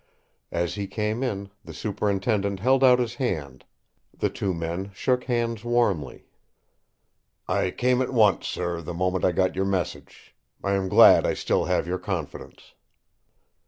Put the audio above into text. As he came in, the Superintendent held out his hand; the two men shook hands warmly. "I came at once, sir, the moment I got your message. I am glad I still have your confidence."